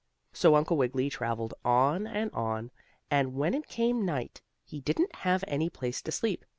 So Uncle Wiggily traveled on and on, and when it came night he didn't have any place to sleep.